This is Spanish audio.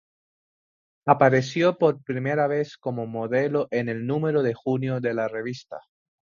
Apareció por primera vez como modelo en el número de junio de la revista.